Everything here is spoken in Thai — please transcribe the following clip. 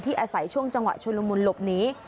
อาศัยช่วงจังหวะชุลมุนหลบหนี